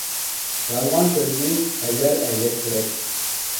يالغان سۆزدىن ھەزەر ئەيلەش كېرەك.